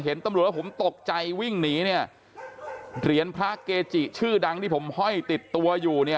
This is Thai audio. เห็นตำรวจแล้วผมตกใจวิ่งหนีเนี่ยเหรียญพระเกจิชื่อดังที่ผมห้อยติดตัวอยู่เนี่ย